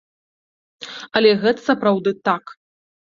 Але гэта сапраўды так.